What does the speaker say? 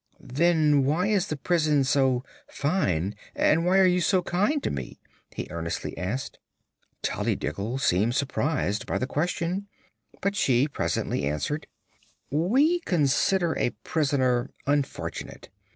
"Then why is the prison so fine, and why are you so kind to me?" he earnestly asked. Tollydiggle seemed surprised by the question, but she presently answered: "We consider a prisoner unfortunate.